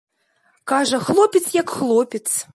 Кажа, хлопец як хлопец.